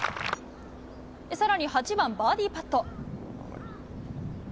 さらに８番バーディーパット。